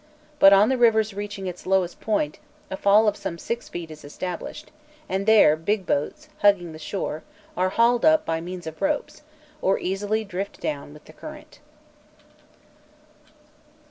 But on the river's reaching its lowest point a fall of some six feet is established, and there big boats, hugging the shore, are hauled up by means of ropes, or easily drift down with the current.